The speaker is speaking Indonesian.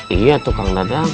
iya tukang dadang